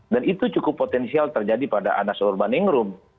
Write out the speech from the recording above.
dan itu cukup potensial terjadi pada anas urban ingrum